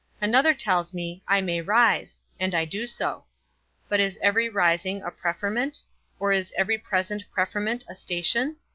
Another tells me, I may rise; and I do so. But is every raising a preferment? or is every present preferment a station?